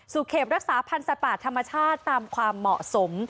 เขตรักษาพันธ์สัตว์ป่าธรรมชาติตามความเหมาะสม